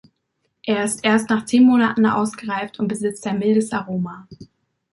Er ist erst nach zehn Monaten ausgereift und besitzt ein mildes Aroma.